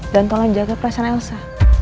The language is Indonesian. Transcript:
tolong jaga perasaan elsa